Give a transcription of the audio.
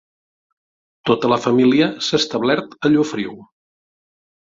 Tota la família s'ha establert a Llofriu.